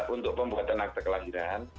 untuk pembuatan akta kelahiran